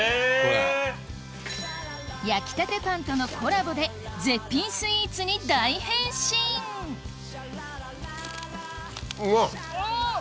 焼きたてパンとのコラボで絶品スイーツに大変身うわ！